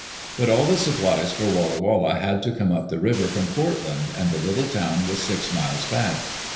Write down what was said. But all the supplies for Walla Walla had to come up the river from Portland, and the little town was six miles back.